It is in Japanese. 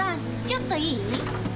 ちょっといい？